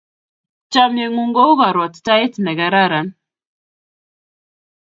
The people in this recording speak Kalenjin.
Chamyengung ko u karwatutaet ne kararan